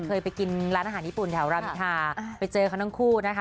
เคยไปกินร้านอาหารญี่ปุ่นแถวรามอินทาไปเจอเขาทั้งคู่นะคะ